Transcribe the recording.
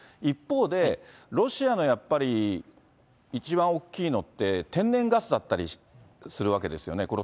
一方で、ロシアのやっぱり一番大きいのって、天然ガスだったりするわけですよね。